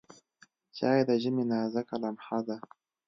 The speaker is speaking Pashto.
چای د ژمي نازکه لمحه ده.